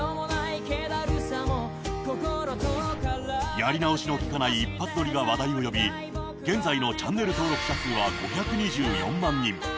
やり直しのきかない一発どりが話題を呼び現在のチャンネル登録者数は５２４万人。